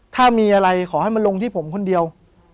ถ้ามีอะไรขอให้มาลงที่ผมคนเดียว